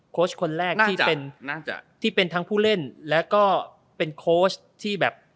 โค้ชคนแรกที่เป็นที่เป็นทั้งผู้เล่นแล้วก็เป็นโค้ชที่แบบ